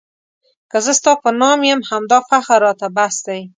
که زه ستا په نام یم همدا فخر راته بس دی.